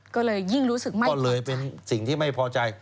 ก็เลยยิ่งรู้สึกมากก็เลยเป็นสิ่งที่ไม่พอใจ